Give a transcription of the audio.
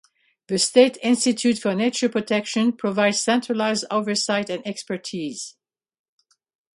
The State Institute for Nature Protection provides centralized oversight and expertise.